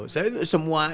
saya itu semua